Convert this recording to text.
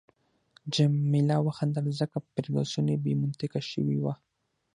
جميله وخندل، ځکه فرګوسن بې منطقه شوې وه.